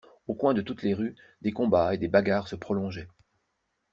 Aux coins de toutes les rues, des combats et des bagarres se prolongeaient.